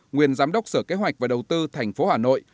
nguyên giám đốc sở kế hoạch và đầu tư tp hà nội